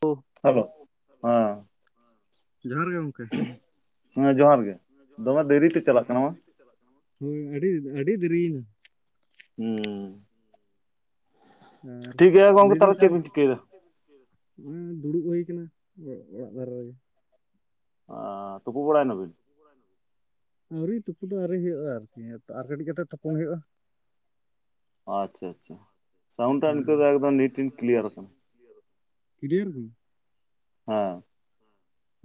ᱠᱩ ᱦᱮᱞᱳ ᱦᱟᱸ ᱡᱚᱦᱟᱨ ᱜᱮ ᱜᱚᱝᱠᱮ ᱾ ᱦᱮᱸ ᱡᱚᱦᱟᱨ ᱜᱮ ᱾ ᱡᱚᱦᱟᱨ ᱜᱮ [inaudible] ᱟᱹᱰᱤ ᱟᱹᱰᱤ ᱫᱮᱨᱤᱭᱮᱱᱟ ᱾ ᱦᱩᱸ ᱴᱷᱤᱠ ᱜᱮᱭᱟ ᱜᱚᱝᱠᱮ ᱛᱟᱦᱚᱞᱮ ᱪᱮᱫ ᱵᱤᱱ ᱪᱤᱠᱟᱹᱭᱮᱫᱟ? ᱪᱮᱫ ᱯᱮ ᱪᱤᱠᱟᱹ ᱮᱫᱟ? ᱱᱚᱜᱚᱭ ᱫᱩᱲᱩᱵ ᱦᱩᱭ ᱟᱠᱟᱱᱟ [inaudible] ᱚᱲᱟᱜ ᱫᱷᱟᱨᱮ ᱨᱮᱜᱮ ᱾ ᱟᱻ ᱛᱩᱯᱩ ᱵᱟᱲᱟ ᱱᱟ ᱵᱤᱱ? ᱟᱹᱣᱨᱤ ᱛᱩᱯᱩ ᱫᱚ ᱟᱹᱣᱨᱤ ᱦᱩᱭᱩᱜᱼᱟ, ᱟᱨᱠᱤ ᱟᱨ ᱠᱟᱹᱴᱤᱡ ᱠᱟᱛᱮ ᱛᱚᱯᱚᱱ ᱦᱩᱭᱩᱜᱼᱟ ᱾ ᱟᱪᱪᱷᱟ ᱟᱪᱪᱷᱟ ᱥᱟᱣᱩᱱᱰ ᱴᱟᱜ ᱦᱮᱸ ᱱᱤᱛᱚᱜ ᱫᱚ ᱮᱠᱫᱚᱢ ᱱᱤᱴᱤᱱ ᱠᱞᱤᱭᱟᱨ ᱠᱟᱱᱟ᱾ [inaudible] ᱠᱞᱤᱭᱟᱨ [inaudible] ᱦᱟᱸ ᱾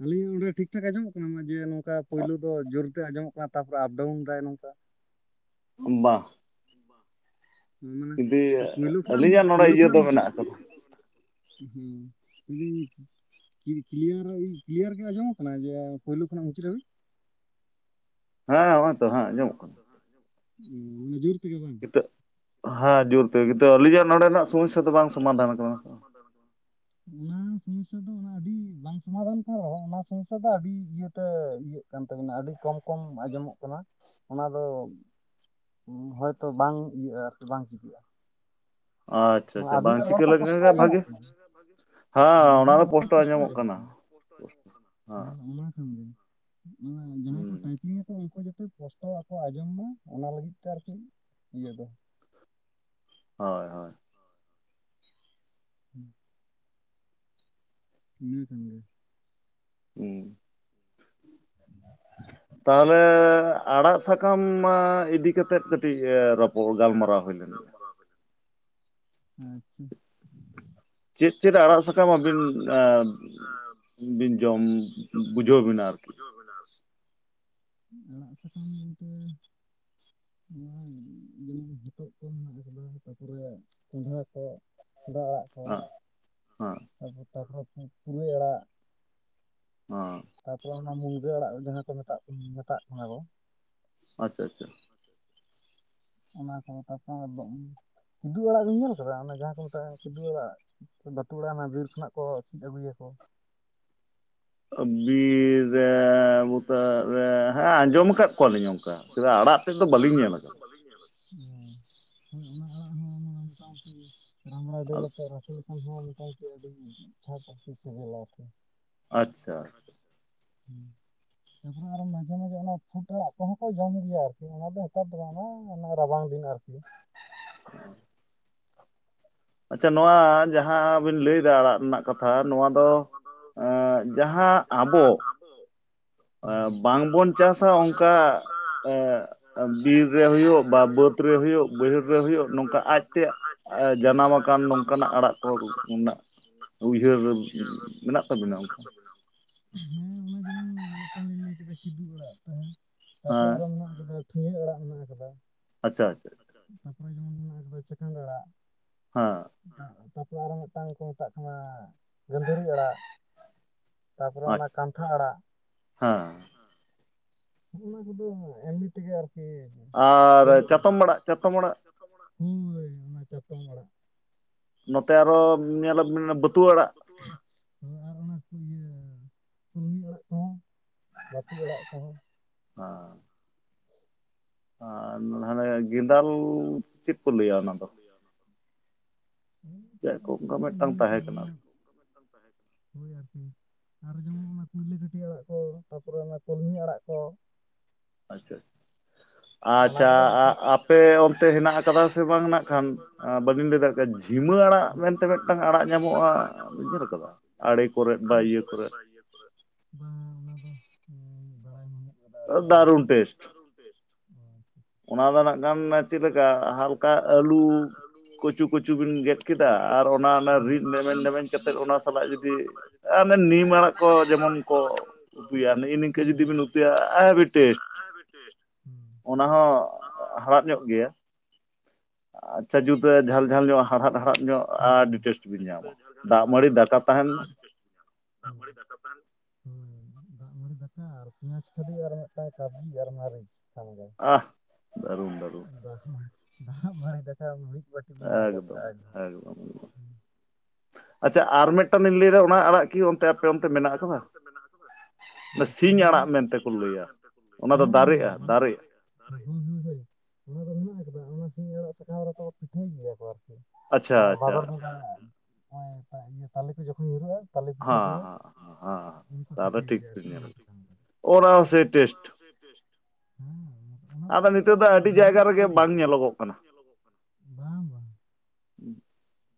ᱟᱞᱤᱧᱟᱜ ᱚᱸᱰᱮ ᱴᱷᱤᱠ ᱴᱷᱟᱠ ᱟᱸᱡᱚᱢᱚᱜ ᱠᱟᱱᱟ ᱚᱱᱡᱮ ᱱᱚᱝᱠᱟ ᱯᱳᱭᱞᱳ ᱫᱚ ᱡᱳᱨᱛᱮ ᱟᱸᱡᱚᱢᱚᱜ ᱠᱟᱱᱟ ᱛᱟᱨᱯᱚᱨᱮ ᱟᱯ ᱰᱟᱣᱩᱱ ᱫᱟᱭ ᱱᱚᱝᱠᱟ ᱵᱟ ᱵᱟ ᱢᱟᱱᱮ ᱯᱳᱭᱞᱳ ᱠᱷᱚᱱᱟᱜ ᱟᱹᱞᱤᱧᱟᱜ ᱱᱚᱰᱮ ᱯᱳᱭᱞᱳ ᱤᱭᱟᱹ ᱫᱚ ᱠᱷᱚᱱᱟᱜ ᱢᱮᱱᱟᱜ ᱟᱠᱟᱫᱟ ᱤᱭᱟᱹ ᱫᱚ ᱢᱮᱱᱟᱜ-ᱟ᱾ ᱦᱩᱸ [inaudible] ᱠᱤ ᱠᱞᱤᱭᱟᱨ ᱠᱞᱤᱭᱟᱨ ᱜᱮ ᱟᱸᱡᱚᱢᱚᱜ ᱠᱟᱱᱟ ᱡᱮ ᱯᱩᱭᱞᱩ ᱠᱷᱚᱱᱟᱜ ᱢᱩᱪᱟᱹᱫ ᱦᱟᱹᱵᱤᱡ? ᱦᱮᱸ ᱱᱚᱜ-ᱚᱭ ᱦᱮᱸ ᱱᱚᱜ-ᱚᱭ ᱛᱚ ᱦᱮᱸ ᱟᱸᱡᱚᱢᱚᱜ ᱠᱟᱱᱟ ᱾ ᱡᱩᱨ ᱛᱮᱜᱮ ᱵᱟᱝ? ᱴᱟᱹᱜ ᱦᱟᱸ ᱡᱳᱨ ᱛᱮᱜᱮ ᱛᱚ ᱟᱹᱞᱤᱧᱟᱜ ᱱᱚᱰᱮᱱᱟᱜ ᱥᱚᱢᱚᱹᱥᱥᱟ ᱫᱚ ᱵᱟᱝ ᱥᱚᱢᱟᱫᱟᱱ ᱠᱟᱱᱟ! [unintelligible] ᱚᱱᱟ ᱥᱚᱢᱚᱹᱥᱥᱟ ᱫᱚ ᱚᱱᱟ ᱟᱹᱰᱤ ᱵᱟᱝ ᱥᱚᱢᱟᱫᱷᱟᱱ ᱛᱮᱦᱚᱸ, ᱚᱱᱟ ᱥᱚᱢᱚᱹᱥᱥᱟ ᱫᱚ ᱟᱹᱰᱤ ᱤᱭᱟᱹ ᱛᱮ ᱤᱭᱟᱹᱜ ᱠᱟᱱ ᱛᱟᱵᱤᱱᱟ, ᱟᱹᱰᱤ ᱠᱚᱢ ᱠᱚᱢ ᱟᱸᱡᱚᱢᱚᱜ ᱠᱟᱱᱟ ᱚᱱᱟ ᱫᱚ ᱦᱚᱭᱛᱚ ᱵᱟᱝ ᱤᱭᱟᱹᱜᱼᱟ ᱟᱨᱠᱤ ᱵᱟᱝ ᱪᱤᱠᱟᱹᱜᱼᱟ᱾ ᱟᱪᱪᱷᱟ ᱦᱚ ᱟᱪᱪᱷᱟ ᱵᱟᱝ ᱟᱹᱵᱤᱱᱟᱜ ᱪᱤᱠᱟᱹ ᱨᱚᱲ ᱛᱚ ᱞᱮᱱᱠᱷᱟᱱ ᱯᱚᱥᱴᱚ ᱜᱮ ᱵᱷᱟᱜᱮ ᱟᱡᱚᱢᱚᱜ ᱠᱟᱱᱟ? [inaudible] ᱦᱮᱸ ᱚᱱᱟ ᱫᱚ ᱯᱳᱥᱴᱚ ᱟᱸᱡᱚᱢᱚᱜ ᱠᱟᱱᱟ [inaudible] ᱚᱱᱟ ᱠᱷᱟᱱ ᱜᱮ᱾ ᱢᱟᱱᱮ ᱡᱟᱦᱟᱸᱭ ᱠᱚ ᱦᱮᱸ ᱴᱟᱭᱯᱤᱝ ᱟᱠᱚ ᱩᱱᱠᱩ ᱡᱟᱛᱮᱫ ᱯᱚᱥᱴᱚ ᱨᱚᱲ ᱠᱚ ᱟᱸᱡᱚᱢ ᱢᱟ ᱚᱱᱟ ᱞᱟᱹᱜᱤᱫ ᱛᱮ ᱟᱨᱠᱤ ᱤᱭᱟᱹ ᱫᱚ ᱾ ᱦᱚᱭ-ᱦᱚᱭ᱾ ᱦᱩᱸ ᱾ ᱤᱱᱟᱹ ᱠᱷᱟᱱ ᱜᱮ᱾ ᱦᱮᱸ ᱾ [inaudible] ᱛᱟᱦᱞᱮ ᱟᱲᱟᱜ ᱥᱟᱠᱟᱢ ᱢᱟ ᱤᱫᱤ ᱠᱟᱛᱮᱫ ᱠᱟᱹᱴᱤᱡ ᱨᱚᱯ ᱠᱚ ᱦᱚᱸ ᱜᱟᱞᱢᱟᱨᱟᱣ ᱦᱩᱭ ᱞᱮᱱ ᱜᱮᱭᱟ ᱟᱪᱪᱷᱟ ᱪᱮᱫ ᱪᱮᱫ ᱟᱲᱟᱜ ᱥᱟᱠᱟᱢ ᱟᱵᱤᱱ [unintelligible] ᱵᱤᱱ ᱡᱚᱢ ᱵᱩᱡᱷᱟᱹᱣ ᱵᱤᱱᱟ ᱟᱨᱠᱤ ᱟᱲᱟᱜ ᱥᱟᱠᱟᱢ ᱜᱚᱢᱠᱮ ᱱᱚᱣᱟ ᱡᱮᱢᱚᱱ ᱦᱚᱛᱚᱜ ᱠᱚ ᱢᱮᱱᱟᱜ ᱟᱠᱟᱫᱟ ᱛᱟᱯᱚᱨᱮ ᱠᱚᱸᱰᱷᱟ ᱠᱚ ᱾ ᱠᱚᱸᱰᱷᱟ ᱟᱲᱟᱜ [unintelligible] ᱛᱟᱯᱚᱨ ᱛᱮ ᱟᱨᱦᱚ ᱯᱩᱨᱟᱹᱭ ᱟᱲᱟᱜ ᱚᱻ ᱛᱟᱯᱚ ᱨᱮ ᱚᱱᱟ ᱢᱩᱱᱜᱟᱹ ᱟᱲᱟᱜ ᱡᱟᱦᱟᱸ ᱠᱚ ᱢᱮᱛᱟᱜ ᱠᱟᱱ, ᱢᱮᱛᱟᱜ ᱠᱟᱱᱟ ᱠᱚ! ᱟᱪᱪᱷᱟ ᱟᱪᱷᱟ ᱾ ᱚᱱᱟ ᱠᱚᱸ [inaudible] ᱠᱤᱫᱩᱜ ᱟᱲᱟᱜ ᱵᱮᱱ ᱧᱮᱞ ᱠᱟᱫᱟ, ᱚᱱᱟ ᱡᱟᱸ ᱠᱚ ᱢᱮᱛᱟᱜᱼᱟ ᱠᱤᱫᱩᱣ ᱟᱲᱟᱜ? ᱵᱟᱹᱛᱩᱣᱟ ᱟᱲᱟᱜ ᱢᱟ ᱵᱤᱨ ᱠᱷᱚᱱᱟᱜ ᱠᱚ ᱥᱤᱫ ᱟᱹᱜᱩᱭᱟᱠᱚ ᱵᱤᱨᱻ [unintelligible] ᱨᱮ ᱦᱮᱸ ᱟᱸᱡᱚᱢ ᱟᱠᱟᱫ ᱠᱚᱣᱟᱞᱤᱧ ᱚᱱᱠᱟ ᱪᱮᱫᱟᱜ ᱟᱲᱟᱜ ᱛᱮᱫ ᱫᱚ ᱵᱟᱹᱞᱤᱧ ᱧᱮᱞ ᱟᱠᱟᱫᱟ ᱾ [unintelligible] ᱦᱚᱭ ᱚᱱᱟ ᱟᱲᱟᱜ ᱦᱚᱸ ᱢᱚᱴᱟ-ᱢᱩᱴᱤ ᱨᱟᱢᱲᱟ ᱫᱟᱹᱞ ᱟᱛᱮ ᱨᱟᱥᱮ [unintelligible] ᱦᱚᱸ ᱢᱚᱴᱟ-ᱢᱩᱴᱤ ᱟᱹᱰᱤ ᱪᱷᱟᱴ ᱟᱨᱠᱤ ᱥᱤᱵᱤᱞᱟᱠᱤ ᱟᱪᱪᱷᱟ᱾ [inaudible] ᱛᱟᱯᱚᱨᱮ ᱟᱨᱚ ᱢᱟᱡᱷᱮ ᱢᱟᱡᱷᱮ ᱚᱱᱟ ᱯᱷᱩᱰ ᱟᱲᱟᱜ ᱠᱚᱦᱚᱸ ᱠᱚ ᱡᱚᱢ ᱜᱮᱭᱟ ᱟᱨᱠᱤ ᱚᱱᱟ ᱫᱚ ᱱᱮᱛᱟᱨ ᱫᱚ ᱵᱟᱝ ᱾ᱚᱱᱟ ᱚᱱᱟ ᱨᱟᱵᱟᱝ ᱫᱤᱱ ᱟᱨᱠᱤ᱾ [unintelligible] ᱟᱪᱪᱷᱟ ᱱᱚᱣᱟ ᱡᱟᱦᱟᱸ ᱵᱤᱱ ᱞᱟᱹᱭᱫᱟ ᱟᱲᱟᱜ ᱨᱮᱱᱟᱜ ᱠᱟᱛᱷᱟ ᱱᱚᱣᱟ ᱫᱚ ᱡᱟᱦᱟᱸ ᱡᱟᱦᱟᱸ ᱟᱵᱚ, [inaudible] ᱵᱟᱝᱵᱚᱱ ᱪᱟᱥᱟ ᱚᱱᱠᱟ ᱮᱸᱜ ᱵᱤᱨ ᱨᱮ ᱦᱩᱭᱩᱜ ᱵᱟ ᱵᱟᱹᱫᱽ ᱨᱮ ᱦᱳᱭᱳᱜ ᱵᱟᱹᱭᱦᱟᱹᱲ ᱨᱮ ᱦᱳᱭᱳᱜ ᱱᱚᱝᱠᱟ ᱟᱡᱛᱮ ᱡᱟᱱᱟᱢ ᱟᱠᱟᱱ ᱱᱚᱝᱠᱟᱱ ᱱᱟᱜ ᱟᱲᱟᱜ ᱠᱚ ᱨᱮᱱᱟᱜ ᱩᱭᱦᱟᱹᱨ ᱢᱮᱱᱟᱜ ᱛᱟᱵᱮᱱᱟ ᱚᱱᱠᱟ? ᱦᱮᱸ ᱚᱱᱮ ᱡᱮᱢᱚᱱ ᱢᱤᱫᱴᱟᱝ ᱞᱤᱧ ᱞᱟᱹᱭ ᱠᱮᱫᱟ ᱠᱤᱫᱩᱜ ᱟᱲᱟᱜ ᱛᱟᱦᱮᱸ ᱛᱟᱯᱚᱨᱮ ᱦᱮᱸ ᱟᱨᱚ ᱢᱮᱱᱟᱜ ᱟᱠᱟ ᱴᱷᱩᱭᱟᱹᱜ ᱟᱲᱟᱜ ᱢᱮᱱᱟᱜ ᱟᱠᱟᱫᱟ᱾ ᱟᱪᱪᱷᱟ ᱟᱪᱷᱟ᱾ ᱟᱪᱪᱷᱟ ᱛᱟᱯᱚᱨᱮ ᱡᱮᱢᱚᱱ ᱢᱮᱱᱟᱜ ᱟᱠᱟᱫᱟ ᱪᱮᱠᱟᱱ ᱟᱲᱟᱜ, ᱦᱟᱸ ᱛᱟᱯᱚᱨ ᱟᱨᱚ ᱢᱤᱫᱴᱟᱝ ᱠᱚ ᱢᱮᱛᱟᱜ ᱠᱟᱱᱟ ᱜᱟᱹᱫᱷᱟᱹᱨᱤ ᱟᱲᱟᱜ᱾ ᱛᱟᱯᱚᱨᱮ ᱚᱱᱟ ᱠᱟᱱᱛᱷᱟ ᱟᱲᱟᱜ, ᱦᱟᱸ ᱚᱱᱟ ᱠᱚᱫᱚ ᱮᱢᱱᱤ ᱛᱮᱜᱮ ᱟᱨᱠᱤ ᱟᱨ ᱦᱳᱭᱳᱜᱼᱟ ᱪᱟᱛᱚᱢ ᱟᱨ ᱟᱲᱟᱜ ᱪᱟᱛᱚᱢ ᱟᱲᱟᱜ, ᱦᱳᱭ ᱚᱱᱟ ᱪᱟᱛᱚᱢ ᱟᱲᱟᱜ, ᱱᱚᱛᱮ ᱟᱨᱚ ᱧᱮᱞᱟᱵᱮᱱ ᱵᱟᱹᱛᱩᱣᱟᱹ ᱟᱲᱟᱜ᱾ ᱦᱳᱭ ᱟᱨ ᱚᱱᱟ ᱠᱚ ᱤᱭᱟᱹ ᱠᱚᱲᱢᱤ ᱟᱲᱟᱜ᱾ ᱟᱲᱟᱜ ᱠᱚᱦᱚᱸ ᱵᱟᱹᱛᱩ ᱟᱲᱟᱜ ᱠᱚᱦᱚᱸ, ᱟᱨ ᱟᱨ ᱦᱟᱱᱮ ᱜᱮᱸᱫᱟᱞ ᱪᱮᱫ ᱠᱚ ᱞᱟᱹᱭᱟ ᱚᱱᱟ ᱫᱚ? ᱮᱭ ᱪᱮᱫ ᱟᱲᱟᱜ ᱚᱱᱠᱟ ᱠᱚᱪᱚ ᱠᱚ ᱢᱤᱫᱴᱟᱝ ᱞᱟᱹᱭᱟ ᱠᱚ ᱛᱟᱦᱮᱸ ᱠᱟᱱᱟ ᱫᱚᱢᱮ ᱚᱱᱠᱟ ᱢᱤᱫᱴᱟᱝ ᱛᱟᱦᱮᱸ ᱠᱟᱱᱟ ᱦᱳᱭ ᱟᱨᱠᱤ ᱟᱨ ᱡᱮᱢᱚᱱ ᱚᱱᱟ ᱠᱩᱭᱞᱟᱹ ᱠᱟᱹᱴᱤ ᱟᱲᱟᱜ ᱠᱚ ᱛᱟᱯᱚᱨᱮ ᱚᱱᱟ ᱠᱚᱞᱢᱤ ᱟᱲᱟᱜ ᱠᱚ, ᱟᱪᱪᱷᱟ ᱟᱪᱪᱷᱟ, ᱚᱱᱟ ᱟᱪᱪᱷᱟ ᱠᱚᱫᱚ ᱟᱻ ᱵᱤᱥᱮᱥ ᱟᱯᱮ ᱚᱱᱛᱮ ᱦᱮᱱᱟᱜ ᱟᱠᱟᱫᱟ ᱥᱮ ᱵᱟᱝ ᱱᱟᱜ ᱠᱷᱟᱱ ᱵᱟᱹᱞᱤᱧ ᱞᱟᱹᱭ ᱫᱟᱲᱮᱭᱟᱜ ᱠᱟᱱᱟ, ᱡᱷᱤᱢᱟᱹ ᱟᱲᱟᱜ ᱢᱮᱱᱛᱮ ᱢᱤᱜᱴᱟᱝ ᱟᱲᱟᱜ ᱧᱟᱢᱚᱜᱼᱟ, ᱧᱮᱞ ᱟᱠᱟᱫᱟ ᱟᱲᱮ ᱠᱚᱨᱮᱫ ᱵᱟ ᱤᱭᱟᱹ ᱠᱚᱨᱮᱫ᱾ [inaudible] ᱵᱟᱝ ᱚᱱᱟ ᱫᱚ ᱵᱟᱲᱟᱭ ᱵᱟᱹᱱᱩᱜ᱾ ᱫᱟᱨᱩᱱ ᱴᱮᱥᱴ᱾ ᱴᱮᱥᱴ, ᱚᱱᱟ ᱫᱚ ᱱᱟᱜ ᱠᱷᱟᱱ ᱪᱮᱜᱞᱮᱠᱟ ᱦᱟᱞᱠᱟ ᱟᱹᱞᱩ ᱠᱩᱪᱩ ᱠᱩᱪᱩ ᱵᱤᱱ ᱜᱮᱫ ᱠᱮᱫ ᱫᱟ ᱟᱨ ᱚᱱᱟ ᱚᱱᱟ ᱨᱤᱫ ᱱᱮᱢᱮᱧ ᱞᱮᱢᱮᱧ ᱠᱟᱛᱮᱫ ᱚᱱᱟ ᱥᱟᱞᱟᱜ ᱡᱩᱫᱤ ᱟᱨ ᱚᱱᱮ ᱱᱤᱢ ᱟᱲᱟᱜ ᱠᱚ ᱡᱮᱢᱚᱱ ᱠᱚ ᱩᱛᱩᱭᱟ ᱱᱮᱜᱼᱮ ᱱᱤᱝᱠᱟᱹ ᱡᱩᱫᱤ ᱵᱮᱱ ᱩᱛᱩᱭᱟ ᱦᱮᱵᱷᱤ ᱴᱮᱥᱴ᱾ ᱦᱩᱸ ᱚᱱᱟ ᱦᱚᱸ ᱦᱟᱲᱦᱟᱜ ᱧᱚᱜ ᱜᱮᱭᱟ, ᱟᱪᱪᱷᱟ ᱡᱩᱛ ᱡᱷᱟᱞ ᱡᱷᱟᱞ ᱧᱚᱜ ᱦᱟᱲᱦᱟᱫ ᱦᱟᱲᱦᱟᱫ ᱧᱚᱜ ᱦᱩᱸ ᱟᱹᱰᱤ ᱦᱩᱸ ᱴᱮᱥᱴ ᱵᱤᱱ ᱧᱟᱢᱟ, ᱫᱟᱜ ᱢᱟᱹᱲᱤ ᱫᱟᱠᱟ ᱛᱟᱦᱮᱱ, [inaudible] ᱫᱟᱜ ᱢᱟᱲᱤ ᱫᱟᱠᱟ ᱛᱟᱦᱮᱱ, ᱦᱳᱭ ᱫᱟᱜ ᱢᱟᱰᱤ ᱫᱟᱠᱟ ᱟᱨ ᱯᱮᱸᱭᱟᱡᱽ ᱠᱷᱟᱹᱫᱤ ᱟᱨ ᱢᱤᱫᱴᱟᱝ ᱠᱟᱵᱽᱡᱤ ᱟᱨ ᱢᱟᱨᱤᱪ ᱠᱷᱟᱱ ᱜᱮ ᱟᱦ, ᱫᱟᱨᱩᱱ ᱫᱟᱨᱩᱱ ᱫᱟᱜ ᱢᱟᱲᱤ ᱫᱟᱠᱟ ᱢᱤᱫ ᱵᱟᱴᱤ ᱮᱠᱫᱚᱢ ᱮᱠᱫᱚᱢ ᱟᱪᱪᱷᱟ ᱟᱨ ᱢᱤᱫ ᱟᱪᱪᱷᱟ ᱟᱨ ᱢᱤᱜᱴᱟᱝ ᱞᱤᱧ ᱞᱟᱹᱭᱫᱟ ᱚᱱᱟ ᱟᱲᱟᱜ ᱠᱤ ᱚᱱᱛᱮ ᱟᱯᱮ ᱟᱠᱟᱫᱟ ᱚᱱᱛᱮ ᱢᱮᱱᱟᱜ ᱟᱠᱟᱫᱟ? ᱚᱱᱟ ᱟᱪᱷᱟ ᱥᱤᱧ ᱞᱟᱹᱭ ᱟᱲᱟᱜ ᱵᱮᱱ ᱢᱮᱱᱛᱮ ᱠᱚ ᱥᱤᱧ ᱟᱲᱟᱜ ᱞᱟᱹᱭᱟ ᱢᱮᱱᱛᱮᱠᱚ ᱞᱟᱹᱭᱟ ᱚᱱᱟ ᱫᱚ ᱫᱟᱨᱮᱜᱼᱟ ᱚᱱᱟ ᱫᱚ ᱫᱟᱨᱮᱜᱼᱟ᱾ ᱦᱳᱭ ᱦᱳᱭ ᱚᱱᱟ ᱫᱚ ᱢᱮᱱᱟᱜ ᱠᱟᱫᱟ, ᱚᱱᱟ ᱥᱤᱧ ᱟᱲᱟᱜ ᱥᱟᱠᱟᱢ ᱨᱮᱠᱚ ᱯᱤᱴᱷᱟᱹᱭ ᱜᱮᱭᱟ ᱠᱚ ᱟᱨᱠᱤ᱾ ᱟᱪᱪᱷᱟ ᱱᱚᱣᱟ ᱟᱪᱪᱷᱟ ᱵᱷᱟᱫᱚᱨ ᱵᱚᱜᱟ ᱱᱚᱜᱼᱚᱭ ᱛᱟᱞᱮ ᱠᱚ ᱡᱚᱠᱷᱚᱱ ᱧᱩᱨᱩᱜᱼᱟ, ᱛᱟᱞᱮ ᱯᱤᱴᱷᱟᱹ ᱦᱮᱸ ᱥᱚᱢᱚᱭ ᱦᱮᱸ ᱦᱮᱸ ᱩᱱᱠᱩ ᱛᱟᱦᱚᱞᱮ ᱯᱤᱴᱷᱟᱹᱭ ᱴᱷᱤᱠ ᱜᱮᱭᱟ ᱵᱤᱱ ᱟᱨᱠᱤ ᱧᱮᱞ ᱠᱟᱫᱟ, ᱚᱱᱟ ᱦᱚ ᱥᱮᱭ ᱴᱮᱥᱴ ᱚᱱᱟ ᱦᱚ ᱥᱮᱭ ᱴᱮᱥᱴ ᱦᱮᱸ ᱚᱱᱟ ᱫᱚ ᱟᱫᱚ ᱱᱤᱛᱚᱜ ᱟᱹᱰᱤ ᱡᱟᱭᱜᱟ ᱨᱮᱜᱮ ᱵᱟᱝ ᱨᱮᱜᱮ ᱧᱮᱞᱚᱜᱚᱜ ᱠᱟᱱᱟ ᱵᱟᱝ ᱧᱮᱞᱚᱜᱚᱜ ᱠᱟᱱᱟ ᱵᱟᱝ ᱵᱟᱝ ᱦᱮᱸ [inaudible]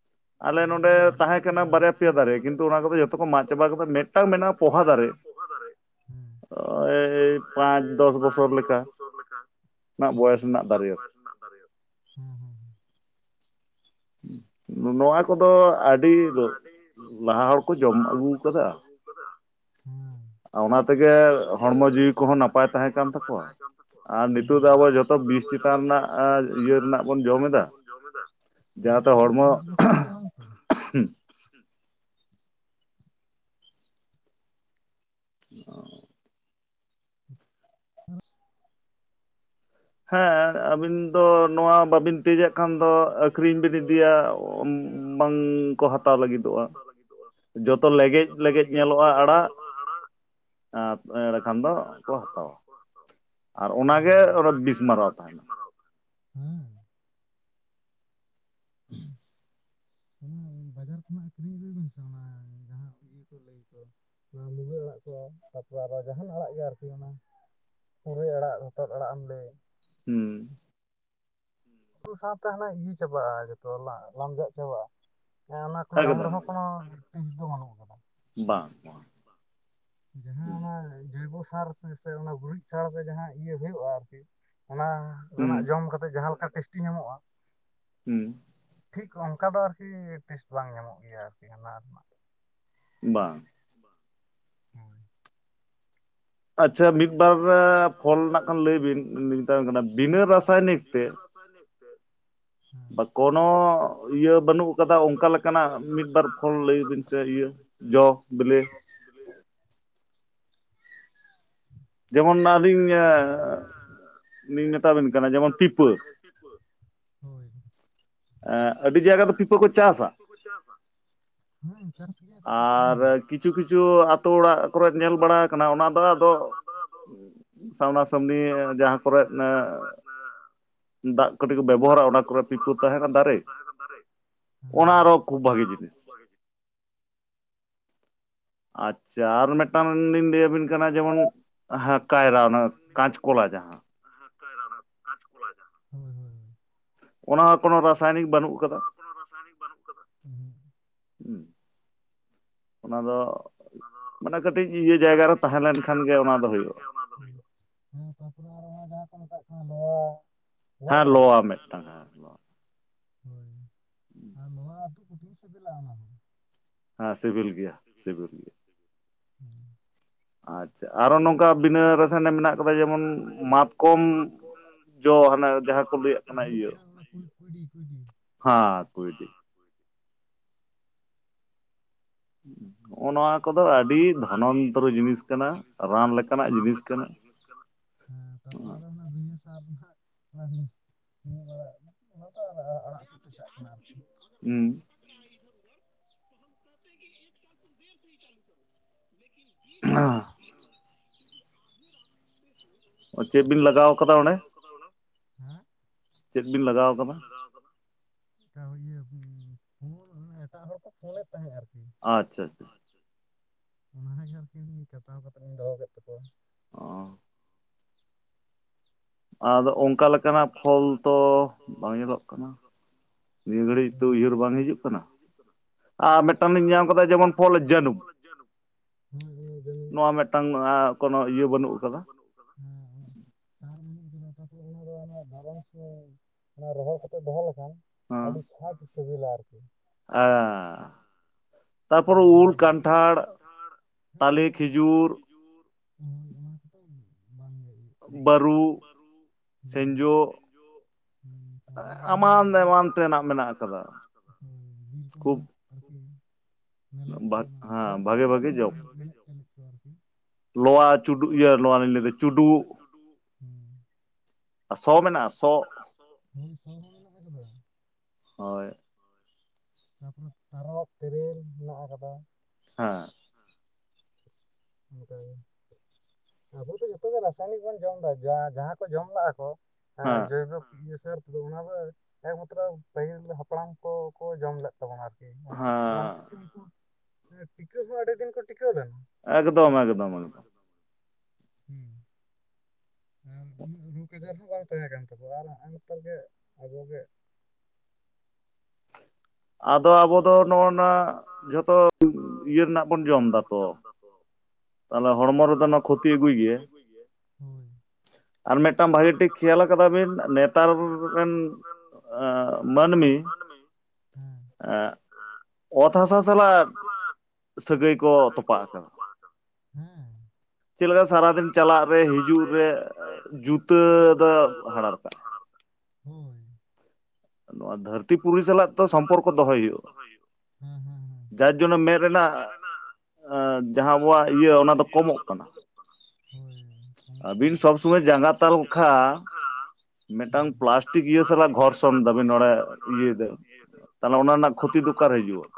ᱟᱞᱮ ᱱᱚᱰᱮ ᱛᱟᱦᱮᱸ ᱯᱮᱭᱟ ᱠᱟᱱᱟ ᱫᱟᱨᱮ ᱵᱟᱨᱭᱟ ᱠᱤᱱᱛᱩ ᱯᱮᱭᱟ ᱚᱱᱟ ᱠᱚᱫᱚ ᱫᱟᱨᱮ ᱡᱚᱛᱚ ᱠᱤᱱᱛᱩ ᱠᱚ ᱚᱱᱟ ᱢᱟᱜ ᱠᱚᱫᱚ ᱪᱟᱵᱟ ᱡᱚᱛᱚ ᱠᱟᱫᱟ ᱠᱚ ᱢᱚᱜ ᱢᱤᱫᱴᱟᱝ ᱪᱟᱵᱟ ᱠᱮᱫᱟ ᱠᱤᱱᱛᱩ ᱢᱤᱫᱴᱟᱝ ᱢᱮᱱᱟᱜᱼᱟ ᱯᱚᱦᱟ ᱫᱟᱨᱮ ᱦᱩᱸ ᱚᱭ ᱯᱟᱸᱪ ᱫᱚᱥ ᱵᱚᱪᱷᱚᱨ ᱞᱮᱠᱟ ᱵᱚᱭᱮᱥ ᱨᱮᱱᱟᱜ ᱫᱟᱨᱭᱟ ᱦᱩᱸ ᱱᱚᱣᱟ ᱠᱚᱫᱚ ᱱᱚᱣᱟ ᱠᱚᱫᱚ ᱟᱹᱰᱤ ᱟᱹᱰᱤ ᱞᱟᱦᱟ ᱦᱚᱲ ᱠᱚ ᱡᱚᱢ ᱵᱟᱦᱟ ᱦᱚᱲ ᱟᱹᱜᱩ ᱠᱚ ᱡᱚᱢ ᱠᱟᱫᱟ ᱟᱹᱜᱩ ᱠᱟᱫᱟ ᱦᱩᱸ ᱚᱱᱟ ᱛᱮᱜᱮ ᱚᱱᱟ ᱛᱮᱜᱮ ᱦᱚᱲᱢᱚ ᱡᱤᱣᱤ ᱠᱚᱦᱚᱸ ᱦᱚᱲᱢᱚ ᱱᱟᱯᱟᱭ ᱡᱤᱣᱤ ᱛᱟᱦᱮᱸ ᱠᱚᱦᱚᱸ ᱠᱟᱱ ᱱᱟᱯᱟᱭ ᱛᱟᱠᱚᱣᱟ ᱛᱟᱦᱮᱸ ᱠᱟᱱ ᱛᱟᱠᱚᱣᱟ ᱟᱨ ᱱᱤᱛᱚᱜ ᱫᱚ ᱟᱵᱚ ᱡᱷᱚᱛᱚ ᱵᱤᱥ ᱟᱨ ᱪᱮᱛᱟᱱ ᱡᱚᱛᱚ ᱨᱮᱱᱟᱜ ᱵᱤᱥ ᱪᱮᱛᱟᱱ ᱤᱭᱟᱹ ᱨᱮᱱᱟᱜ ᱵᱚᱱ ᱤᱭᱟᱹ ᱡᱚᱢ ᱮᱫᱟ ᱨᱮᱱᱟᱜ ᱵᱚᱱ ᱡᱚᱢ ᱮᱫᱟ ᱡᱟᱦᱟᱸᱛᱮ ᱦᱚᱲᱢᱚ [unintelligible] [unintelligible] [unintelligible] ᱦᱮᱸ ᱟᱹᱵᱤᱱ ᱫᱚ ᱱᱚᱣᱟ ᱵᱟᱵᱤᱱ ᱛᱮᱡᱟᱜ ᱠᱷᱟᱱ ᱫᱚ ᱟᱹᱠᱷᱨᱤᱧ ᱵᱤᱱ ᱤᱫᱤᱭᱟ ᱵᱟᱝ ᱠᱚ ᱦᱟᱛᱟᱣ ᱞᱟᱹᱜᱤᱫᱚᱜᱼᱟ ᱡᱚᱛᱚ ᱞᱮᱜᱮᱡ ᱞᱮᱜᱮᱡ ᱧᱮᱞᱚᱜᱼᱟ ᱟᱲᱟᱜ ᱛᱟᱨᱯᱚᱨᱮ ᱮᱱᱠᱷᱟᱱ ᱫᱚ ᱠᱚ ᱦᱟᱛᱟᱣᱟ ᱟᱨ ᱦᱳᱭ ᱚᱱᱟᱜᱮ ᱚᱸᱰᱮ ᱵᱤᱥᱢᱟᱨᱟᱣ ᱛᱟᱦᱮᱱᱟ ᱦᱮᱸ ᱚᱱᱟ ᱵᱟᱡᱟᱨ ᱠᱷᱚᱱᱟᱜ ᱠᱤᱨᱤᱧ ᱟᱹᱜᱩᱭ ᱵᱮᱱ ᱥᱮ ᱚᱱᱟ ᱡᱟᱦᱟᱸ ᱤᱭᱟᱹ ᱠᱚ ᱞᱟᱹᱭ ᱚᱱᱟ ᱢᱩᱞᱟᱹ ᱟᱲᱟᱜ ᱠᱚ ᱛᱟᱨᱯᱚᱨ ᱟᱨᱚ ᱡᱟᱦᱟᱱ ᱟᱲᱟᱜ ᱜᱮ ᱟᱨᱠᱤ ᱚᱱᱟ ᱯᱩᱨᱟᱹᱭ ᱟᱲᱟᱜ ᱦᱚᱛᱚᱫ ᱟᱲᱟᱜ ᱮᱢ ᱞᱟᱹᱭ ᱦᱩᱸ ᱩ ᱥᱟᱶᱛᱮ ᱦᱟᱱᱮ ᱤᱭᱟ ᱪᱟᱵᱟᱜᱼᱟ ᱡᱚᱛᱚ ᱞᱟᱢᱡᱟᱜ ᱪᱟᱵᱟᱜᱼᱟ ᱦᱮ ᱚᱱᱟ ᱡᱚᱢ ᱮᱠᱫᱚᱢ ᱨᱮᱦᱚᱸ ᱠᱳᱱᱳ ᱴᱮᱥᱴ ᱫᱚ ᱵᱟᱹᱱᱩᱜ ᱟᱠᱟᱫᱟ ᱵᱟᱝ [inaudible] ᱡᱟᱦᱟᱸ ᱚᱱᱟ ᱡᱮᱭᱵᱚ ᱥᱟᱨ ᱥᱮ ᱚᱱᱟ ᱜᱩᱨᱤᱡ ᱥᱟᱨ ᱨᱮ ᱡᱟᱦᱟᱸ ᱤᱭᱟᱹ ᱦᱩᱭᱩᱜᱼᱟ ᱟᱨᱠᱤ ᱚᱱᱟ ᱦᱩᱸ ᱨᱮᱱᱟᱜ ᱡᱚᱢ ᱠᱟᱛᱮᱫ ᱡᱟᱦᱟᱸ ᱞᱮᱠᱟ ᱴᱮᱥᱴᱤ ᱧᱟᱢᱚᱜᱼᱟ ᱦᱩᱸ ᱴᱷᱤᱠ ᱚᱱᱠᱟ ᱫᱚ ᱟᱨᱠᱤ ᱴᱮᱥᱴ ᱵᱟᱝ ᱧᱟᱢᱚᱜ ᱜᱮᱭᱟ ᱟᱨᱠᱤ ᱚᱱᱟ ᱨᱮᱱᱟᱜ ᱵᱟᱝ ᱵᱟᱝ ᱦᱳᱭ ᱟᱪᱪᱷᱟ ᱢᱤᱫ ᱵᱟᱨ ᱯᱷᱚᱞ ᱨᱮᱱᱟᱜ ᱠᱷᱟᱱ ᱞᱟᱹᱭ ᱵᱤᱱ ᱢᱮᱛᱟᱵᱮᱱ ᱠᱟᱱᱟ ᱵᱤᱱᱟᱹ ᱨᱟᱥᱟᱟᱭᱱᱤᱠ ᱛᱮ ᱨᱚᱥᱟᱭᱟᱱᱤᱠ ᱛᱮ ᱵᱟ ᱠᱳᱱᱳ ᱠᱳᱱᱳ ᱤᱭᱟᱹ ᱵᱟᱹᱱᱩᱜ ᱟᱠᱟᱫᱟ ᱤᱭᱟᱹ ᱚᱱᱠᱟ ᱵᱟᱹᱱᱩᱜ ᱟᱠᱟᱫᱟ ᱞᱮᱠᱟᱱᱟᱜ ᱚᱱᱠᱟ ᱢᱤᱫ ᱵᱟᱨ ᱞᱮᱠᱟᱱᱟᱜ ᱯᱷᱚᱞ ᱢᱤᱫ ᱞᱟᱹᱭ ᱵᱟᱨ ᱵᱤᱱ ᱥᱮ ᱯᱷᱳᱞ ᱤᱭᱟᱹ ᱞᱟᱹᱭᱵᱤᱱ ᱥᱮ ᱡᱚ ᱤᱭᱟᱹ ᱵᱤᱞᱤ ᱡᱚ ᱵᱚᱞᱮ ᱡᱮᱢᱚᱱ ᱚᱱᱟ ᱡᱮᱢᱚᱱ ᱟᱹᱞᱤᱧ ᱟᱸ ᱞᱤᱧ ᱢᱮᱛᱟ ᱵᱮᱱᱟ ᱞᱤᱧ ᱢᱮᱛᱟ ᱵᱮᱱ ᱠᱟᱱᱟ ᱡᱮᱢᱚᱱ ᱴᱤᱯᱟᱹ ᱾ ᱦᱳᱭ ᱟᱹᱰᱤ ᱡᱟᱭᱜᱟ ᱫᱚ ᱯᱤᱯᱟᱹ ᱠᱚ ᱪᱟᱥᱟ ᱩᱛᱩ ᱠᱚ ᱪᱟᱥᱟ ᱟᱨ ᱠᱤᱪᱷᱩ ᱠᱤᱪᱷᱩ ᱟᱛᱩ ᱚᱲᱟᱜ ᱠᱚᱨᱮᱫ ᱧᱮᱞ ᱵᱟᱲᱟ ᱠᱟᱱᱟ ᱚᱱᱟ ᱫᱚ ᱟᱫᱚ ᱥᱟᱣᱱᱟᱥᱢᱱᱤ ᱡᱟᱦᱟᱸ ᱠᱚᱨᱮᱜ ᱮᱸᱜ ᱫᱟᱜ ᱠᱟᱹᱴᱤᱡ ᱠᱚ ᱵᱮᱵᱚᱦᱟᱨᱟ ᱚᱱᱟ ᱠᱚᱨᱮ ᱯᱤᱯᱟᱹ ᱛᱟᱸᱦᱮᱱᱟ ᱫᱟᱨᱮ ᱚᱱᱟ ᱦᱮᱸ ᱟᱨᱚ ᱠᱷᱩᱵᱽ ᱵᱷᱟᱜᱤ ᱡᱤᱱᱤᱥ ᱟᱪᱪᱷᱟ ᱟᱨ ᱢᱤᱫᱴᱟᱝ ᱞᱤᱧ ᱞᱟᱹᱭ ᱟᱹᱵᱤᱱ ᱠᱟᱱᱟ ᱡᱮᱢᱚᱱ ᱦᱮᱸ ᱠᱟᱭᱨᱟ ᱚᱱᱟ ᱠᱟᱸᱪᱠᱚᱞᱟ ᱡᱟᱦᱟᱸ ᱾ ᱦᱮᱸ ᱠᱟᱭᱨᱟ ᱚᱱᱟ ᱠᱟᱸᱪᱠᱚᱞᱟ ᱡᱟᱦᱟᱸ ᱾ ᱦᱩᱸ ᱦᱩᱸ ᱚᱱᱟ ᱦᱚᱸ ᱠᱳᱱᱳ ᱨᱟᱥᱟᱭᱚᱱᱤᱠ ᱵᱟᱹᱱᱩᱜ ᱠᱟᱫᱟ ᱚᱱᱟᱦ ᱠᱳᱚᱱᱳ ᱨᱟᱥᱟᱭᱚᱱᱤᱠ ᱵᱟᱹᱱᱩᱜ ᱠᱟᱫᱟ ᱾ ᱦᱩᱸ ᱦᱩᱸ ᱚᱱᱟ ᱫᱚ ᱢᱟᱱᱮ ᱠᱟᱹᱴᱤᱡ ᱤᱭᱟᱹ ᱡᱟᱭᱜᱟ ᱨᱮ ᱛᱟᱦᱮᱸ ᱞᱮᱱᱠᱷᱟᱱ ᱜᱮ ᱚᱱᱟ ᱫᱚ ᱦᱩᱭᱩᱜᱼᱟ ᱾ ᱚᱱᱟ ᱫᱚ ᱦᱩᱭᱩᱜᱼᱟ ᱾ ᱦᱮᱸ ᱛᱟᱯᱚᱨᱮ ᱟᱨ ᱚᱱᱟ ᱡᱟᱦᱟᱸ ᱠᱚ ᱢᱮᱛᱟᱜ ᱠᱟᱱᱟ ᱞᱚᱣᱟ ᱧᱮᱞ ᱦᱮᱸ ᱠᱟᱫᱟᱵᱤᱱ? ᱞᱚᱼᱟ ᱦᱮᱸ ᱢᱤᱫᱴᱟᱝ ᱞᱚᱣᱟ ᱞᱚ ᱢᱤᱫᱴᱟᱝ ᱾ ᱦᱳᱭ ᱟᱨ ᱟ ᱟᱹᱛᱩ ᱠᱩᱴᱷᱤᱱ ᱥᱮᱵᱮᱞᱟ ᱚᱱᱟ ᱫᱚ ᱾ ᱦᱮᱸ ᱥᱤᱵᱤᱞ ᱜᱮᱭᱟ ᱥᱤᱵᱤᱞ ᱜᱮᱭᱟ ᱾ ᱦᱩᱸ ᱟᱪᱪᱷᱟ ᱟᱨᱚ ᱱᱚᱝᱠᱟ ᱟᱨᱚ ᱵᱤᱱᱟᱹ ᱱᱚᱝᱠᱟ ᱨᱟᱥᱟᱭᱱᱤᱠ ᱵᱤᱱᱟᱹ ᱢᱮᱱᱟᱜ ᱠᱟᱫᱟ ᱨᱟᱥᱟᱭᱚᱱᱤᱠ ᱡᱮᱢᱚᱱ ᱢᱮᱱᱟᱜ ᱠᱟᱫᱟ ᱡᱮᱢᱚᱱ ᱢᱟᱛᱠᱚᱢ ᱢᱟᱛᱠᱚᱢ ᱡᱚ ᱾ ᱦᱟᱱᱮ ᱡᱚ ᱡᱟᱦᱟᱸ ᱠᱚ ᱚᱱᱟ ᱞᱟᱹᱭᱟᱜ ᱫᱚ ᱾ ᱦᱮᱸ ᱦᱮᱸ ᱚᱱᱟ ᱠᱩᱸᱭᱰᱤ ᱠᱩᱸᱭᱰᱤ ᱾ ᱦᱮᱸ ᱠᱩᱸᱭᱰᱤ ᱾ ᱚᱱᱟ ᱠᱚᱫᱚ ᱟᱹᱰᱤ ᱫᱷᱚᱱᱚᱱᱛᱚᱨᱚ ᱡᱤᱱᱤᱥ ᱠᱟᱱᱟ, ᱨᱟᱱ ᱞᱮᱠᱟᱱᱟᱜ ᱡᱤᱱᱤᱥ ᱠᱟᱱᱟ ᱾ ᱦᱮᱸ ᱛᱟᱨᱯᱚᱨ ᱟᱨᱚ ᱚᱱᱟ ᱵᱤᱱᱟᱹ ᱥᱟᱨ ᱨᱮᱱᱟᱜ [unintelligible] [unintelligible] ᱟᱲᱟᱜ ᱥᱤᱫ ᱞᱮ ᱪᱟᱜ ᱠᱟᱱᱟ [unintelligible] ᱦᱩᱸ [unintelligible] ᱪᱮᱫ ᱵᱤᱱ ᱞᱟᱜᱟᱣ ᱠᱟᱫᱟ ᱚᱸᱰᱮ [unintelligible] ᱠᱟᱫᱟ ᱚᱱᱟ? ᱦᱮᱸᱼ ᱪᱮᱫ ᱵᱤᱱ ᱞᱟᱜᱟᱣ ᱟᱠᱟᱫᱟ? ᱚᱱᱠᱟ ᱤᱭᱟᱹ ᱯᱷᱳᱱ ᱮᱴᱟᱜ ᱦᱚᱲ ᱠᱚ ᱯᱷᱳᱱ ᱮᱫ ᱛᱟᱦᱮᱸᱫ ᱟᱨᱠᱤ ᱾ ᱟᱪᱪᱷᱟ ᱟᱪᱪᱷᱟ ᱾ ᱚᱱᱟ ᱜᱮ ᱟᱨᱠᱤ ᱠᱟᱴᱟᱣ ᱠᱟᱛᱮ ᱤᱧ ᱫᱚᱦᱚ ᱠᱮᱫ ᱛᱟᱠᱚᱣᱟ ᱾ ᱚᱻ ᱟᱫᱚ ᱚᱱᱠᱟ ᱞᱮᱠᱟᱱᱟᱜ ᱯᱷᱚᱞ ᱛᱚ ᱵᱟᱝ ᱧᱮᱞᱚᱜ ᱠᱟᱱᱟ ᱾ ᱜᱷᱟᱹᱲᱤᱡ ᱫᱚ ᱩᱭᱦᱟᱹᱨ ᱵᱟᱝ ᱦᱤᱡᱩᱜ ᱠᱟᱱᱟ ᱾ ᱟᱨ ᱢᱤᱫᱴᱟᱝ ᱞᱤᱧ ᱟᱨ ᱧᱟᱢ ᱠᱟᱫᱟ ᱢᱮᱫᱴᱟᱝ ᱞᱤᱧ ᱡᱮᱢᱚᱱ ᱧᱮᱞ ᱯᱷᱚᱞ ᱠᱟᱫᱟ ᱡᱮᱢᱚᱱ ᱡᱟᱹᱱᱩᱢ ᱯᱷᱚᱞ ᱡᱟᱹᱱᱩᱢ ᱾ [unintelligible] ᱱᱚᱣᱟ ᱢᱤᱫᱴᱟᱝ ᱱᱚᱣᱟ ᱢᱤᱫᱴᱟᱝ ᱫᱚ ᱠᱳᱱᱳ ᱦᱟᱸᱜ ᱤᱭᱟᱹ ᱠᱚᱱᱚ ᱵᱟᱹᱱᱩᱜ ᱤᱭᱟᱹ ᱠᱟᱫᱟ ᱵᱟᱹᱱᱩᱜ᱾ ᱦᱮᱸ ᱦᱮᱸ ᱥᱟᱨ [unintelligible] ᱚᱱᱟ ᱫᱚ ᱨᱟᱵᱟᱝ ᱥᱚᱢᱚᱭ ᱚᱱᱟ ᱨᱚᱦᱚᱲ ᱠᱟᱛᱮ ᱫᱚᱦᱚ ᱞᱮᱠᱷᱟᱱ ᱟᱹᱰᱤ [unintelligible] ᱥᱤᱵᱤᱞᱟ ᱟᱨᱠᱤ᱾ ᱟᱸᱻ ᱛᱟᱨᱯᱚᱨᱮ ᱩᱞ, ᱚᱱᱟ ᱫᱷᱚᱨᱚᱱ ᱨᱮ ᱠᱟᱱᱴᱷᱟᱲ, ᱛᱟᱞᱮ, ᱠᱷᱤᱡᱩᱨ ᱾ ᱠᱷᱤᱡᱩᱨ ᱦᱳᱭ ᱚᱱᱟ ᱠᱚᱫᱚ ᱵᱟᱝ ᱜᱮ ᱤᱭᱟᱹᱜ ᱵᱟᱹᱨᱩ ᱵᱟᱹᱨᱩ, ᱦᱩᱸ, ᱥᱮᱸᱡᱳ ᱥᱮᱸᱡᱳ, ᱛᱟᱨᱯᱚᱨᱮ ᱟᱨᱦᱚᱸ ᱚᱱᱟ ᱮᱢᱟᱱ ᱮᱢᱟᱱ [unintelligible] ᱛᱮᱱᱟᱜ ᱮᱢᱟᱱ ᱛᱮᱱᱟᱜ ᱠᱟᱫᱟ ᱢᱮᱱᱟᱜ ᱟᱠᱟᱫᱟ ᱵᱤᱨ ᱠᱚ ᱠᱷᱩᱵ ᱨᱮᱱᱟᱜ ᱟᱨᱠᱤ ᱾ ᱢᱮᱞᱮᱡ ᱵᱷᱟᱜ ᱠᱚᱢᱟ ᱯᱷᱚᱞ ᱦᱮᱸ ᱠᱷᱚᱱ ᱵᱷᱟᱜᱮ ᱵᱷᱟᱜᱮ ᱫᱚ [unintelligible] ᱞᱳᱣᱟ᱾ ᱞᱚᱣᱟ ᱪᱩᱰᱩᱜ ᱤᱭᱟᱹ ᱞᱚᱣᱟ ᱞᱤᱧ ᱞᱟᱹᱭ ᱫᱟ ᱪᱩᱰᱩᱜ᱾ ᱥᱚ ᱢᱮᱱᱟᱜ ᱥᱚ ᱢᱮᱱᱟᱜ-ᱟ ᱥᱚ? ᱦᱳᱭ ᱥᱚ ᱦᱚᱸ ᱢᱮᱱᱟᱜ ᱟᱠᱟᱫᱟ᱾ ᱦᱚᱭ᱾ ᱛᱟᱯᱚᱨᱮ ᱛᱟᱨᱚᱵ, ᱛᱮᱨᱮᱞ ᱢᱮᱱᱟᱜ ᱟᱠᱟᱫᱟ᱾ ᱦᱮᱸ᱾ ᱚᱱᱠᱟᱜᱮ᱾ ᱟᱵᱚ ᱫᱚ ᱡᱚᱛᱚ ᱜᱮ ᱨᱟᱥᱟᱭᱱᱤᱠ ᱵᱚᱱ ᱡᱚᱢ ᱫᱟ ᱡᱟᱦᱟᱸ ᱠᱚ ᱡᱚᱢ ᱞᱮᱜ-ᱟ ᱠᱚ ᱦᱮᱸ [unintelligible] ᱚᱱᱟ ᱫᱚ ᱮᱠᱢᱟᱛᱨᱚ ᱯᱟᱹᱦᱤᱞ ᱦᱟᱯᱲᱟᱢ ᱠᱚ ᱠᱚ ᱡᱚᱢ ᱞᱮᱫ᱾ [inaudible] ᱚᱱᱟ ᱦᱮᱸ ᱦᱚᱛᱮᱡ ᱛᱮᱜᱮ ᱠᱚ ᱴᱤᱠᱟᱹᱜ ᱢᱟ ᱟᱹᱰᱤ ᱫᱤᱱ ᱠᱚ ᱴᱤᱠᱟᱹᱜ ᱞᱮᱱ᱾ ᱮᱠᱫᱚᱢ ᱮᱠᱫᱚᱢ, ᱦᱩᱸ᱾ ᱩᱱᱟᱹᱜ ᱨᱳᱜᱽ ᱟᱡᱟᱨ ᱦᱚᱸ ᱵᱟᱝ ᱛᱟᱦᱮᱸ ᱠᱟᱱ ᱛᱟᱠᱚᱣᱟ ᱟᱨ ᱦᱮᱸᱜ ᱮ ᱱᱮᱛᱟᱨ ᱜᱮ ᱟᱵᱚᱜᱮ ᱟᱫᱚ ᱟᱵᱚ ᱫᱚ ᱱᱚᱜᱼᱚ ᱱᱟ ᱡᱚᱛᱚ ᱤᱭᱟᱹ ᱨᱮᱱᱟᱜ ᱵᱚᱱ ᱡᱚᱢ ᱮᱫᱟ ᱛᱚ ᱛᱟᱦᱚᱞᱮ ᱦᱚᱲᱢᱚ ᱨᱮᱫᱚ ᱱᱟ ᱠᱷᱚᱛᱤ ᱟᱹᱜᱩᱭ ᱜᱮᱭᱟ ᱦᱳᱭ ᱟᱨ ᱢᱤᱫᱴᱟᱝ ᱵᱷᱟᱹᱜᱤ ᱴᱷᱤᱠ ᱠᱷᱮᱭᱟᱞ ᱟᱠᱟᱫᱟ ᱵᱤᱱ ᱱᱮᱛᱟᱨ ᱨᱮᱱ ᱮᱸᱻ ᱢᱟᱹᱱᱢᱤ ᱦᱮᱸ [unintelligible] ᱚᱛ ᱦᱟᱥᱟ ᱥᱟᱞᱟᱜ ᱥᱟᱹᱜᱟᱹᱭ ᱠᱚ ᱛᱚᱯᱟᱜ ᱟᱠᱟᱫᱟ᱾ ᱦᱮᱸ [inaudible] ᱪᱮᱫ ᱞᱮᱠᱟ ᱥᱟᱨᱟᱫᱤᱱ ᱪᱟᱞᱟᱜ ᱨᱮ ᱦᱤᱡᱩᱜ ᱨᱮ ᱡᱩᱛᱟᱹ ᱫᱚ ᱦᱟᱲᱟᱨ ᱠᱟᱜᱼᱟᱭ ᱦᱚᱭ ᱱᱚᱣᱟ ᱫᱷᱟᱹᱨᱛᱼᱼ ᱱᱚᱣᱟ ᱫᱷᱟᱹᱨᱛᱤ ᱯᱩᱨᱤ ᱥᱟᱞᱟᱜ ᱛᱚ ᱥᱚᱢᱯᱚᱨᱠᱚ ᱫᱚᱦᱚᱭ ᱡᱟᱨ ᱡᱚᱱᱱᱚ ᱦᱩᱭᱩᱜᱼᱟ ᱢᱮᱫ ᱡᱟᱨ [unintelligible] ᱢᱮᱫ ᱨᱮᱱᱟᱜ ᱮᱸ ᱡᱟᱦᱟᱸ ᱟᱵᱚᱣᱟᱜ ᱤᱭᱟᱹ ᱚᱱᱟ ᱫᱚ ᱠᱚᱢᱚᱜ ᱠᱟᱱᱟ᱾ ᱦᱚᱭ ᱦᱚᱭ ᱟᱹᱵᱤᱱ ᱥᱚᱵᱽ ᱥᱚᱢᱚᱭ ᱡᱟᱸᱜᱟ ᱛᱟᱞᱠᱷᱟ ᱦᱩᱸ ᱢᱤᱫᱴᱟᱹᱝ ᱯᱞᱟᱥᱴᱤᱠ ᱤᱭᱟᱹ ᱥᱟᱞᱟᱜ ᱜᱷᱚᱨᱥᱚᱱ ᱫᱟᱹᱵᱤᱱ ᱱᱚᱰᱮ ᱤᱭᱟᱹ ᱭᱮᱫᱟ ᱛᱟᱦᱚᱞᱮ ᱚᱱᱟ ᱨᱮᱱᱟᱜ ᱠᱷᱚᱛᱤ ᱫᱚ ᱚᱠᱟᱨᱮ ᱦᱤᱡᱩᱜᱼᱟ?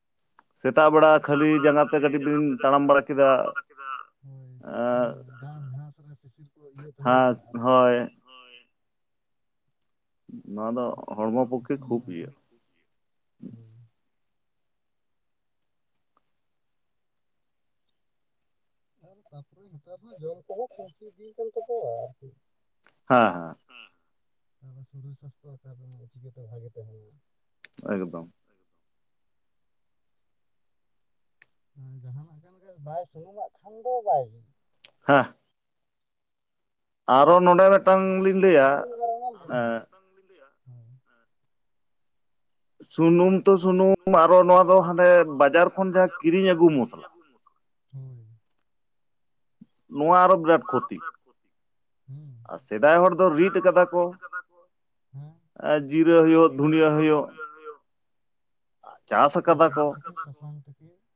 [inaudible] ᱵᱮᱲᱟ ᱥᱮᱛᱟᱜ ᱠᱷᱟᱹᱞᱤ ᱵᱮᱲᱟ ᱡᱟᱸᱜᱟ ᱛᱮ ᱠᱷᱟᱹᱞᱤ ᱠᱟᱹᱴᱤᱡ ᱡᱟᱸᱜᱟ ᱛᱮ ᱠᱟᱹᱴᱤᱡ ᱛᱟᱲᱟᱢ ᱵᱤᱱ ᱵᱟᱲᱟ ᱠᱮᱫᱟ ᱛᱟᱲᱟᱢ ᱵᱟᱲᱟ ᱠᱮᱫᱟ, ᱦᱳᱭ ᱜᱷᱟᱸᱥ ᱜᱷᱟᱸᱥ ᱥᱤᱥᱤᱨ ᱠᱚ ᱤᱭᱟᱹ [unintelligible] ᱦᱳᱭ ᱦᱚᱭ ᱱᱚᱣᱟ ᱫᱚ ᱦᱚᱲᱢᱚ ᱯᱚᱠᱠᱷᱮ ᱠᱷᱩᱵ ᱤᱭᱟᱹ [unintelligible] ᱟᱨ ᱛᱟᱯᱚᱨᱮ ᱱᱮᱛᱟᱨ ᱦᱚᱸ ᱡᱚᱢ ᱠᱚᱦᱚᱸ ᱯᱷᱮᱱᱥᱤ ᱤᱫᱤ ᱠᱟᱱ ᱛᱚᱵᱚᱱ ᱦᱮᱸ ᱦᱮᱸ᱾ ᱦᱩᱸ ᱛᱟᱯᱚᱨ ᱥᱚᱨᱤᱨ ᱥᱟᱥᱛᱚᱜ-ᱟ ᱛᱟᱯᱚᱨᱮ ᱪᱤᱠᱟᱹᱛᱮ ᱵᱷᱟᱹᱜᱤ ᱛᱟᱦᱮᱱᱟ᱾ ᱮᱠᱫᱚᱢ ᱡᱟᱦᱟᱱᱟᱜ ᱠᱟᱱ ᱜᱮ ᱵᱟᱭ ᱥᱩᱱᱩᱢᱟᱜ ᱠᱷᱟᱱ ᱫᱚ ᱵᱟᱭᱼᱼ ᱦᱮᱸ᱾ ᱟᱨᱦᱚᱸ ᱱᱚᱰᱮ ᱢᱤᱫᱴᱟᱝ ᱞᱤᱧ ᱞᱟᱹᱭᱟ ᱮᱸ [unintelligible] ᱥᱩᱱᱩᱢ ᱛᱚ ᱥᱩᱱᱩᱢ ᱟᱨᱦᱚᱸ ᱱᱚᱣᱟ ᱫᱚ ᱦᱟᱱᱰᱮ ᱵᱟᱡᱟᱨ ᱠᱷᱚᱱ ᱡᱟᱦᱟᱸ ᱠᱤᱨᱤᱧ ᱟᱹᱜᱩ ᱢᱚᱥᱞᱟ ᱾ ᱦᱩᱸᱻ ᱱᱚᱣᱟ ᱟᱨᱦᱚᱸ ᱵᱤᱨᱟᱴ ᱠᱷᱚᱛᱤ ᱟᱨ ᱥᱮᱫᱟᱭ ᱦᱚᱲ [unintelligible] ᱫᱚ ᱥᱮᱫᱟᱭ ᱨᱤᱫ ᱦᱚᱲ ᱫᱚ ᱟᱠᱟᱫᱟ ᱠᱚ ᱨᱤᱴ ᱟᱠᱟᱫᱟᱠᱚ ᱡᱤᱨᱟᱹ [unintelligible] ᱟᱨ ᱦᱩᱭᱩᱜ ᱡᱤᱨᱟᱹ ᱫᱷᱩᱱᱤᱭᱟᱹ ᱦᱩᱭᱩᱜ ᱫᱷᱩᱱᱤᱭᱟᱹ ᱦᱩᱭᱩᱜ ᱪᱟᱥ ᱟᱠᱟᱫᱟ ᱠᱚ [unintelligible]